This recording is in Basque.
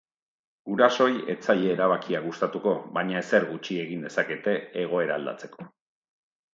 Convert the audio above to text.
Gurasoei ez zaie erabakia gustatuko, baina ezer gutxi egin dezakete egoera aldatzeko.